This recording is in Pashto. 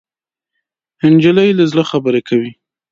نجلۍ له زړه خبرې کوي.